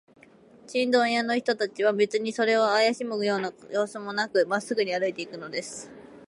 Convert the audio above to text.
チンドン屋の人たちは、べつにそれをあやしむようすもなく、まっすぐに歩いていくのです。